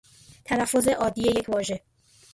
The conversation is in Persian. تلفظ عادی یک واژه